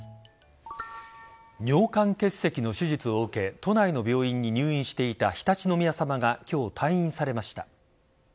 尿管結石の手術を受け都内の病院に入院していた常陸宮さまが今日、退院されました。